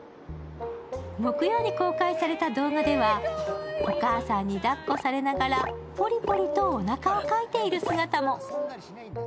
木曜に公開された動画では、お母さんに抱っこされながらポリポリとおなかをかいている姿も。